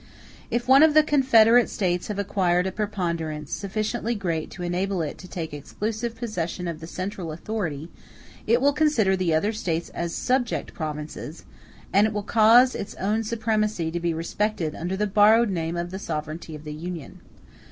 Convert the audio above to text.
If one of the confederate States have acquired a preponderance sufficiently great to enable it to take exclusive possession of the central authority, it will consider the other States as subject provinces, and it will cause its own supremacy to be respected under the borrowed name of the sovereignty of the Union.